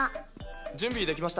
準備できました。